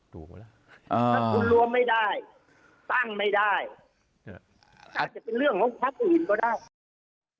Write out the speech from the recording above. ถ้าคุณรวมไม่ได้ตั้งไม่ได้ถ้าจะเป็นเรื่องของครับอื่นก็ได้